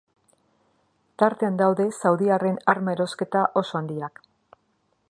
Tartean daude saudiarren arma erosketa oso handiak.